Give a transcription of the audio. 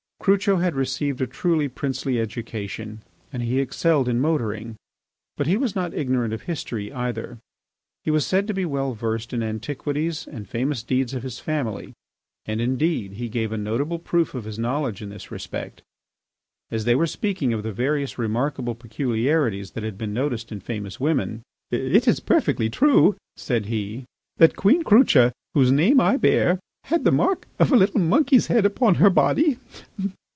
Crucho had received a truly princely education, and he excelled in motoring, but was not ignorant of history either. He was said to be well versed in the antiquities and famous deeds of his family; and, indeed, he gave a notable proof of his knowledge in this respect. As they were speaking of the various remarkable peculiarities that had been noticed in famous women. "It is perfectly true," said he, "that Queen Crucha, whose name I bear, had the mark of a little monkey's head upon her body."